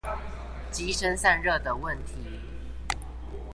機身散熱的問題